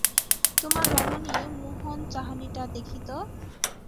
তোমার রমণী মোহন চাহনিটা দেখি তো।